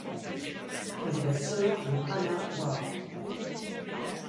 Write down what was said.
Elle est la sœur de Hannah Ware.